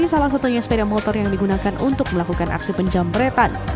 salah satunya sepeda motor yang digunakan untuk melakukan aksi penjamretan